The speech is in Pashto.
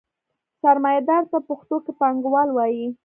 سرمایدار ته پښتو کې پانګوال وايي.